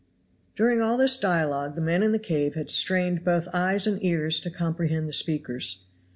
During all this dialogue the men in the cave had strained both eyes and ears to comprehend the speakers.